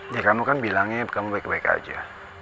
ya kamu kan bilangnya kamu baik baik aja